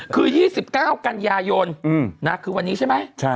คือ๒๙กันยายนคือวันนี้ใช่ไหม